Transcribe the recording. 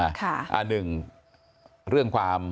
อันหนึ่งเรื่องความ